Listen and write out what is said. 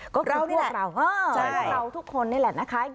ก็คือพวกเราพวกเราทุกคนนี่แหละนะคะ